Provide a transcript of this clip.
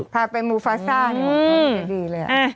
พาไปมูฟาซ่านี่ความที่จะดีเลยอะ